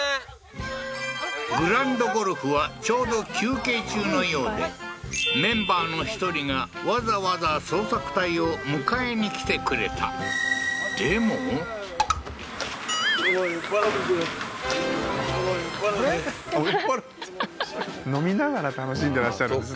グランドゴルフはちょうど休憩中のようでメンバーの１人がわざわざ捜索隊を迎えにきてくれた酔っ払ってははははっ飲みながら楽しんでらっしゃるんですね